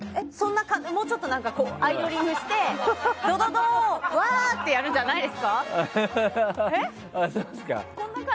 もうちょっとアイドリングしてドドドワー！ってやるんじゃないんですか。